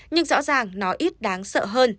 nhưng rõ ràng nó ít đáng sợ hơn